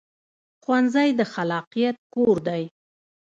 ښوونځی د خلاقیت کور دی